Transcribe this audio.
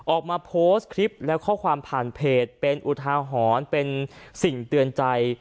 ออกมาโพสต์คลิปและข้อความผ่านเพจเป็นอุทาหรณ์เป็นสิ่งเตือนใจ